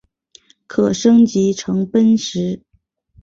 可升级成奔石。